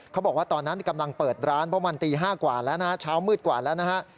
เขาบอกว่าตอนนั้นกำลังเปิดร้านเพราะมันตี๕กว่าแล้วนะฮะเช้ามืดกว่าแล้วนะฮะ